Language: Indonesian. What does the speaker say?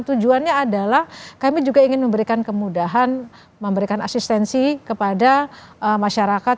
tujuannya adalah kami juga ingin memberikan kemudahan memberikan asistensi kepada masyarakat